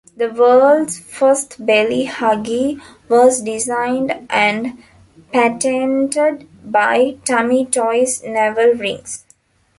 The world's first belly huggy was designed and patented by TummyToys navel rings.